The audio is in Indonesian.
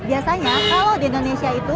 biasanya kalau di indonesia itu